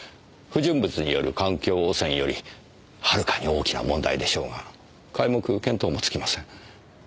不純物による環境汚染よりはるかに大きな問題でしょうが皆目見当もつきません。